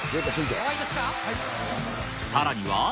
さらには。